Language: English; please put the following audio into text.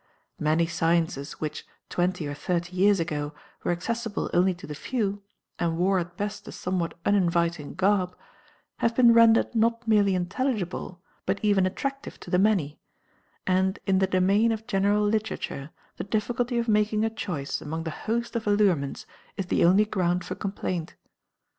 Many sciences which, twenty or thirty years ago, were accessible only to the few, and wore at best a somewhat uninviting garb, have been rendered not merely intelligible but even attractive to the many; and in the domain of general literature the difficulty of making a choice among the host of allurements is the only ground for complaint.